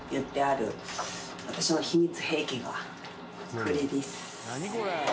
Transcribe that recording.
これです。